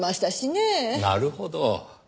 なるほど。